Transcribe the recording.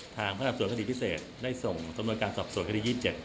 พนักส่วนคดีพิเศษได้ส่งสำนวนการสอบสวนคดี๒๗